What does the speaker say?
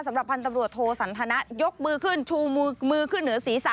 สำหรับพันธบรวจโทสันทนะยกมือขึ้นชูมือขึ้นเหนือศีรษะ